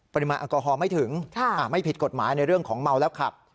ปริมาณแอลกอฮอลไม่ถึงไม่ผิดกฎหมายในเรื่องของเมาแล้วขับ